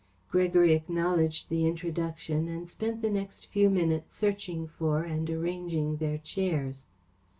Gregory acknowledged the introduction and spent the next few minutes searching for and arranging their chairs.